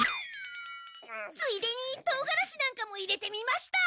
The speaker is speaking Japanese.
ついでにトウガラシなんかも入れてみました！